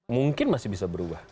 mungkin masih bisa berubah